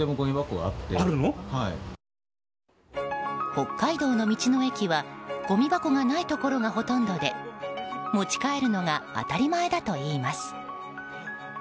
北海道の道の駅はごみ箱がないところがほとんどで持ち帰るのが当たり前だといいます。